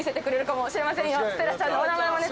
ステラちゃんのお名前もね